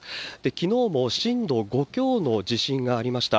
きのうも震度５強の地震がありました。